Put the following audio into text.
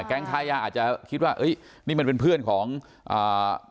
ค้ายาอาจจะคิดว่าเอ้ยนี่มันเป็นเพื่อนของอ่า